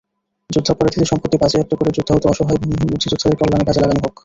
যুদ্ধাপরাধীদের সম্পত্তি বাজেয়াপ্ত করে যুদ্ধাহত, অসহায়, ভূমিহীন মুক্তিযোদ্ধাদের কল্যাণে কাজে লাগানো হোক।